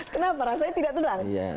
kenapa rasanya tidak tenang